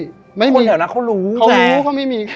คนเดี๋ยวนั้นเขารู้แน่